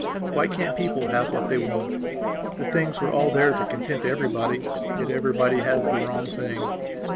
Why can't people have what they want? The things were all there to content everybody; yet everybody has the wrong thing.